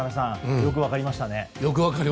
よく分かりました。